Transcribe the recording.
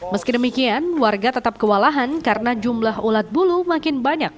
meski demikian warga tetap kewalahan karena jumlah ulat bulu makin banyak